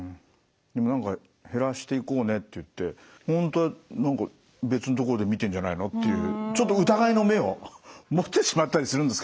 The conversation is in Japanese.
何か「減らしていこうね」って言って本当は何か別の所で見てるんじゃないのっていうちょっと疑いの目を持ってしまったりするんですけど。